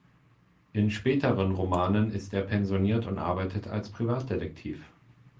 In späteren Romanen ist er pensioniert und arbeitet als Privatdetektiv.